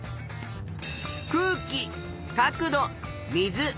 「空気」「角度」「水」